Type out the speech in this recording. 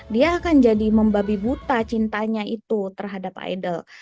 dia akan jadi membabi buta cintanya itu terhadap idol